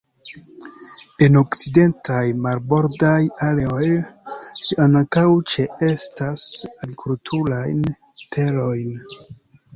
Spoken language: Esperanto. En la konkurso kun Muzoj li kompreneble ne sukcesis kaj ili punis lin kruele.